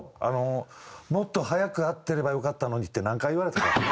あの「もっと早く会ってればよかったのに」って何回言われたか。